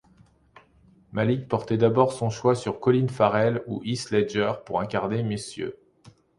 Malick portait d'abord son choix sur Colin Farrel ou Heath Ledger pour incarner Mr.